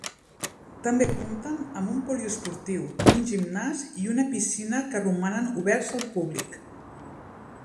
També compten amb un poliesportiu, un gimnàs i una piscina que romanen oberts al públic.